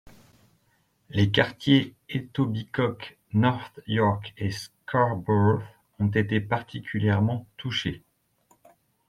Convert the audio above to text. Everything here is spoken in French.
Les quartiers Etobicoke, North York et Scarborough ont été particulièrement touchés.